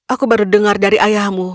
aku baru dengar dari ayahmu